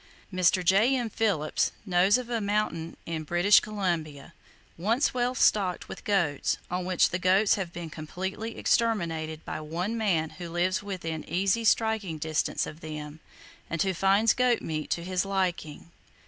Mr. J.M. Phillips knows of a mountain in British Columbia, once well stocked with goats, on which the goats have been completely exterminated by one man who lives within easy striking distance of them, and who finds goat meat to his liking.